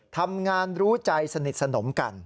ทำงานรู้ใจสนิทสนมกัน